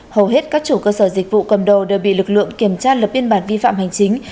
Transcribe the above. hầu hết các chủ cơ sở dịch vụ cầm đồ đều bị lực lượng kiểm tra lập biên bản vi phạm hành chính